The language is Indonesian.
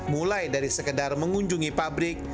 mulai dari sekedar mengunjungi pabrik